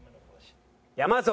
山添。